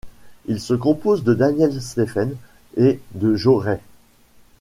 Il se compose de Daniel Stephens et de Joe Ray.